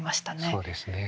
そうですね。